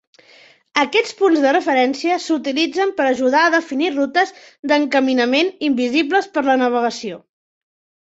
Aquests punts de referencia s'utilitzen per ajudar a definir rutes d'encaminament invisibles per a la navegació.